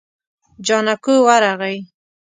جانکو ورغی.